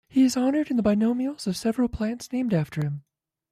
He is honoured in the binomials of several plants named after him.